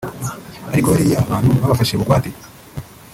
ariko bariya bantu babafashe bugwate